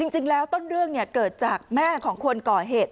จริงแล้วต้นเรื่องเกิดจากแม่ของคนก่อเหตุ